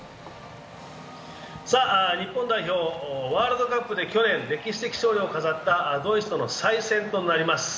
日本代表ワールドカップで、歴史的勝利を飾ったドイツとの再戦となります。